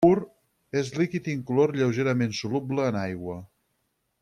Pur, és un líquid incolor lleugerament soluble en aigua.